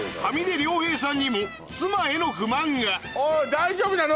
大丈夫なの？